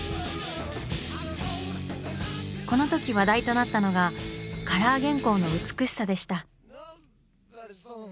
このとき話題となったのがカラー原稿の美しさでした。